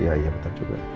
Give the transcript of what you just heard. iya iya betul juga